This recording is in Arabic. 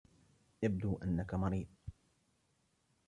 يبدو أنك مريض